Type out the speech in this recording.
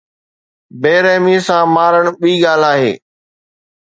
بي رحميءَ سان مارڻ ٻي ڳالهه آهي.